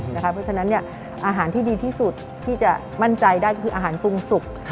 เพราะฉะนั้นอาหารที่ดีที่สุดที่จะมั่นใจได้คืออาหารปรุงสุก